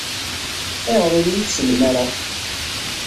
Ayɣer ur iyi-tsellem ara?